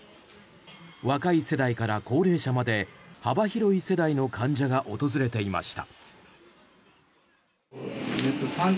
若い世代から高齢者まで幅広い世代の患者が訪れていました。